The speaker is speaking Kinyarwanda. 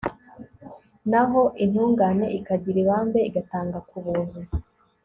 naho intungane ikagira ibambe, igatanga ku buntu